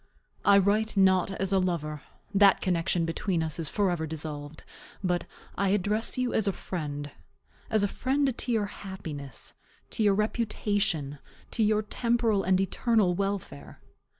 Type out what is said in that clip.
I write not as a lover, that connection between us is forever dissolved, but I address you as a friend; as a friend to your happiness, to your reputation, to your temporal and eternal welfare.